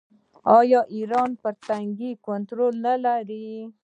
آیا ایران پر دې تنګي کنټرول نلري؟